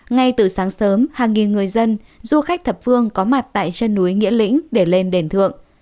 ngay từ sáng sớm hàng nghìn người dân du khách thập phương có mặt tại chân núi nghĩa lĩnh để lên đền thượng